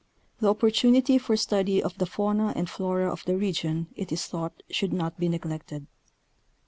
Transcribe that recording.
The opportunity for study of the fauna and flora of the region it is thought should not be neglected.